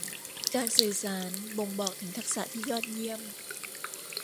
การสื่อสารบ่งบอกถึงทักษะที่ยอดเยี่ยม